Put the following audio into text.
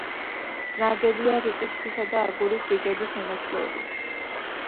ნაგებია რიყის ქვისა და აგურის რიგების მონაცვლეობით.